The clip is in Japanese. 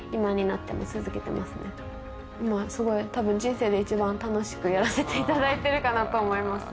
今すごい多分人生でいちばん楽しくやらせていただいてるかなと思います。